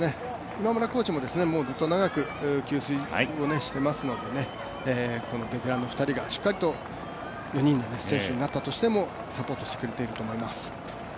今村コーチも長く給水をしていますのでベテランの２人がしっかりと選手が４人になったとしてもサポートしてくれていると思います。